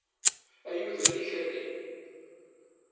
Ay udem n ikerri!